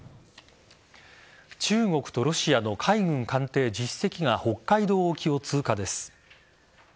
中国とロシアの海軍艦艇１０隻が北海道沖を通過です。